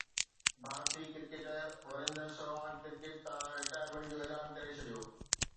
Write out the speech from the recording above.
ڀارتي cricketer Virender Sehwag cricket تان retirement جو اعلان ڪري ڇڏيو